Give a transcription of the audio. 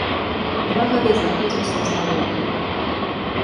Два гады знаходзіўся ў зняволенні.